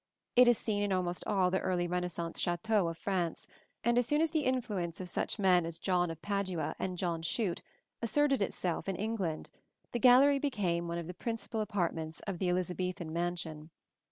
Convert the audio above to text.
It is seen in almost all the early Renaissance châteaux of France; and as soon as the influence of such men as John of Padua and John Shute asserted itself in England, the gallery became one of the principal apartments of the Elizabethan mansion.